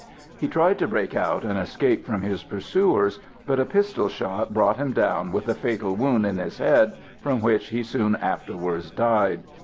He tried to break out and escape from his pursuers, but a pistol shot brought him down with a fatal wound in his head, from which he soon afterwards died.